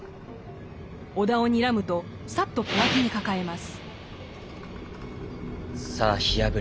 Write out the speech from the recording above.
尾田をにらむとさっと小脇に抱えます。